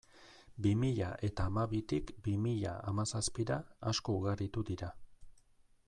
Bi mila eta hamabitik bi mila hamazazpira, asko ugaritu dira.